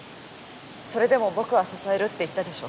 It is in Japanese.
それでも僕は支えるって言ったでしょ？